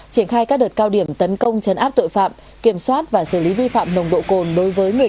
triển khai các đợt cao điểm tấn công chấn áp tội phạm kiểm soát và xử lý vi phạm nồng độ cồn